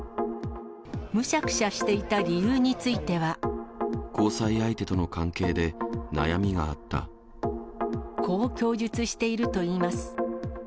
むしゃくしゃしていた理由に交際相手との関係で、悩みがこう供述しているといいます。